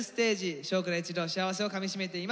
「少クラ」一同は幸せをかみしめています。